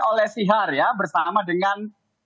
oleh sihar ya bersama dengan